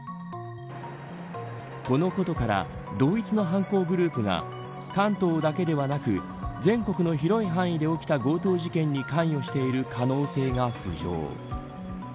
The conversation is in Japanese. このことから同一の犯行グループが関東だけではなく全国の広い範囲で起きた強盗事件に関与している可能性が浮上。